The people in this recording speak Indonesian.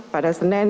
pada hari ini